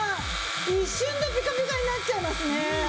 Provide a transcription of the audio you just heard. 一瞬でピカピカになっちゃいますね。